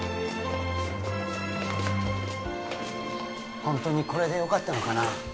ホントにこれでよかったのかな？